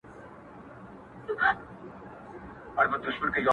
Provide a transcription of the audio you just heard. o بس کارونه وه د خدای حاکم د ښار سو,